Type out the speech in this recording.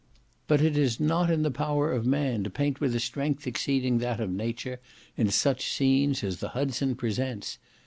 But it is not in the power of man to paint with a strength exceeding that of nature, in such scenes as the Hudson presents.